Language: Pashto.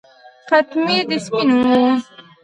قطمیر د سپي نوم و.